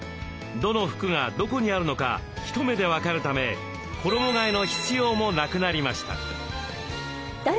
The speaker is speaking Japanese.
どの服がどこにあるのか一目で分かるため衣替えの必要もなくなりました。